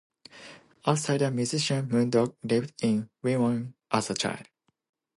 Outsider musician Moondog lived in Wyoming as a child.